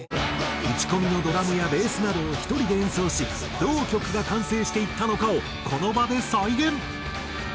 打ち込みのドラムやベースなどを１人で演奏しどう曲が完成していったのかをこの場で再現。